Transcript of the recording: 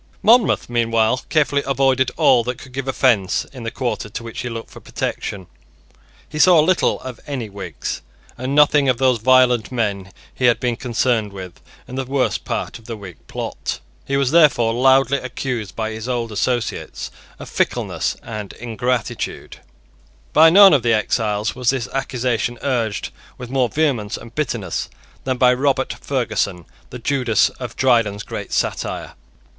Monmouth meanwhile carefully avoided all that could give offence in the quarter to which he looked for protection. He saw little of any Whigs, and nothing of those violent men who had been concerned in the worst part of the Whig plot. He was therefore loudly accused, by his old associates, of fickleness and ingratitude. By none of the exiles was this accusation urged with more vehemence and bitterness than by Robert Ferguson, the Judas of Dryden's great satire.